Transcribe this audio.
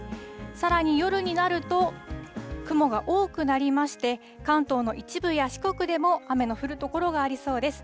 さらに夜になると、雲が多くなりまして、関東の一部や四国でも、雨の降る所がありそうです。